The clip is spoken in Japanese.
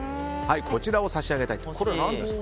こちらを差し上げたいと思います。